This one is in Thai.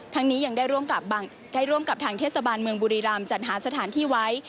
นี้ยังได้ร่วมกับทางเทศบาลเมืองบุรีรำจัดหาสถานที่ไว้